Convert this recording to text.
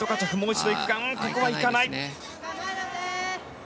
ここは行かない。